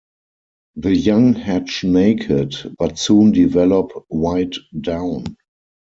The young hatch naked, but soon develop white down.